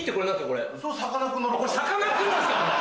これさかなクンなんすか？